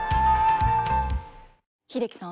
英樹さん